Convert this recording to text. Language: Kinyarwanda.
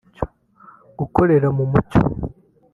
gukorera mu mucyo